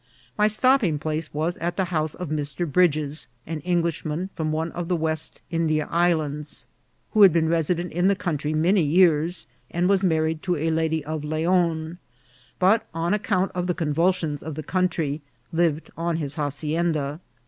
My stopping pldce was at the house of Mr, Bridges, an Englishman from one of the West India Islands, who had been resident in the country many years, and was married to a lady of Leon, but, on account of the convulsions of the country, lived on his hacienda.